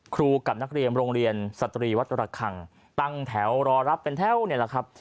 กับนักเรียนโรงเรียนสตรีวัดระคังตั้งแถวรอรับเป็นแถวนี่แหละครับ